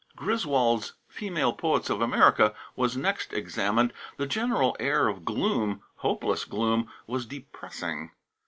Griswold's "Female Poets of America" was next examined. The general air of gloom hopeless gloom was depressing.